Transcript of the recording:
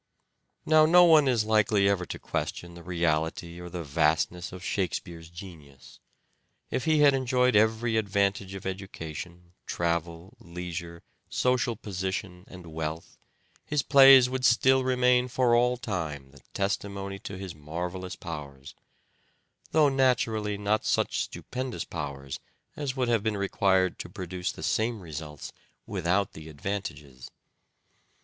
Now no one is likely ever to question the reality or the vastness of " Shakespeare's " genius. If he had enjoyed every advantage of education, travel, leisure, social position and wealth, his plays would 7 98 " SHAKESPEARE " IDENTIFIED still remain for all time the testimony to his marvellous powers : though naturally not such stupendous powers as would have been required to produce the same results without the advantages.